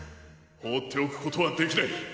ほうっておくことはできない！